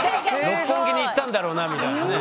六本木に行ったんだろうなみたいなね。